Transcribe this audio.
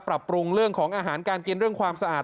ปรับปรุงเรื่องของอาหารการกินเรื่องความสะอาด